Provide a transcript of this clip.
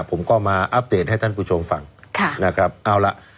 ผมก็มาอัปเดตให้ท่านผู้ชมฟังค่ะนะครับเอาล่ะ